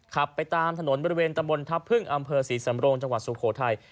ขับไปตามถนนบริเวณตำบลทัพพึ่งอำเภอศรีสำโรงจังหวัดสุโขทัย